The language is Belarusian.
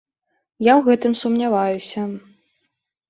Я ў гэтым сумняваюся.